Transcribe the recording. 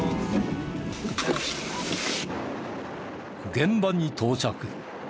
現場に到着。